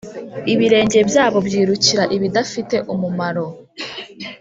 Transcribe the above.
ibirenge byabo byirukira ibidafite umumaro.